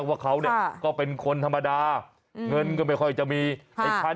ว่าเขาก็เป็นคนธรรมดา